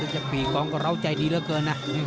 จะปีกองก็ร้าวใจดีเยอะเกินนะ